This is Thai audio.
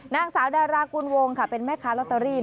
นางสาวดารากุลวงค่ะเป็นแม่ค้าลอตเตอรี่